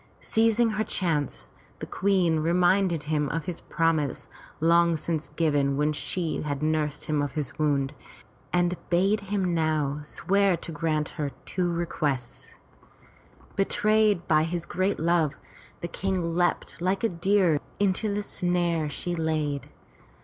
Seizing her chance, the Queen reminded him of his promise long since given when she had nursed him of his wound, and bade him now swear to grant her two 386 FROM THE TOWER WINDOW requests. Betrayed by his great love, the King leapt like a deer into the snare she laid.